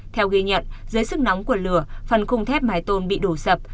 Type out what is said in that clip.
theo ghi nhận dưới sức nóng của lửa phần khung thép mái tôn bị đổ sập